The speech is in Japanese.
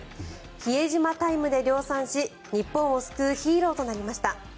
比江島タイムで量産し日本を救うヒーローとなりました。